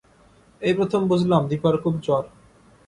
এই প্রথম বুঝলাম দিপার খুব জ্বর।